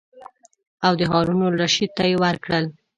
او د هارون الرشید ته یې ورکړل.